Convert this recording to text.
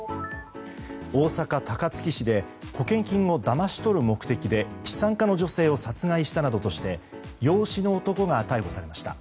大阪・高槻市で保険金をだまし取る目的で資産家の女性を殺害したなどとして養子の男が逮捕されました。